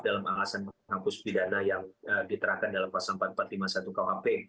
dalam alasan menghapus pidana yang diterahkan dalam pasal empat ribu empat ratus lima puluh satu kuhp